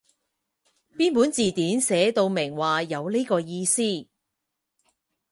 邊本字典寫到明話有呢個意思？